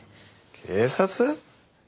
警察？